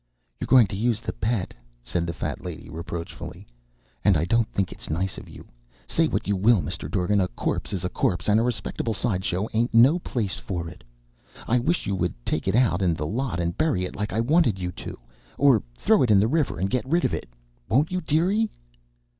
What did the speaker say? "You're goin' to use the Pet," said the Fat Lady reproachfully, "and I don't think it is nice of you. Say what you will, Mr. Dorgan, a corpse is a corpse, and a respectable side show ain't no place for it. I wish you would take it out in the lot and bury it, like I wanted you to, or throw it in the river and get rid of it. Won't you, dearie?"